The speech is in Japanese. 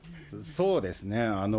そうですね。